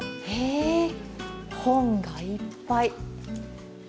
へえ、本がいっぱい。